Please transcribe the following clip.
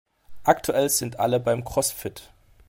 Aktuell sind ja alle beim Cross Fit.